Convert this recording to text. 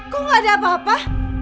kok gak ada apa apa